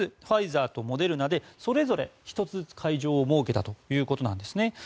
ファイザーとモデルナでそれぞれ１つずつ会場を設けたということです。